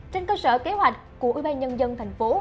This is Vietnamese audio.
trên cơ sở kế hoạch của ủy ban nhân dân thành phố